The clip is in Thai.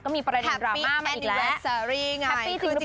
ก็มีประเด็นดราม่ามาอีกแล้วแฮปปี้แอนิเวสเซอรี่ไงแฮปปี้จริงหรือเปล่า